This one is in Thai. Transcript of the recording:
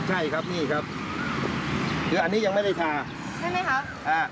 ใช่ครับนี่ครับคืออันนี้ยังไม่ได้ทาใช่ไหมคะอ่า